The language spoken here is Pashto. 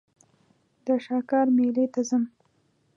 د شاکار مېلې ته ځم.